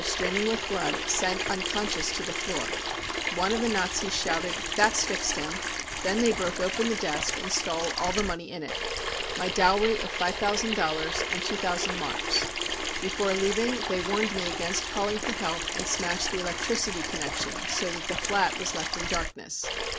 streaming with blood, sank unconscious to the floor. One of the Nazis shouted : c That's fixed him ! 5 Then they broke open the desk and stole all the money in it — my dowry of 5,000 dollars and 2,000 marks. Before leaving they warned me against calling for help, and smashed the electricity con nection so that the flat was left in darkness.